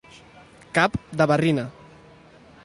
Cap de barrina.